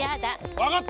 わかった。